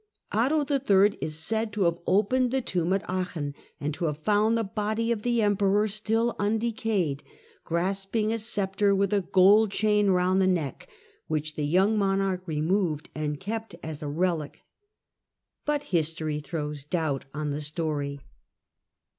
Otto III. is said to have opened the tomb at Aachen and to have found the body of the Emperor, still undecayed, grasping a sceptre, with a gold chain round the neck, which the young monarch removed and kept as a relic. But history throws doubt on the story.